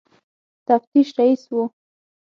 تفتیش رییس وو.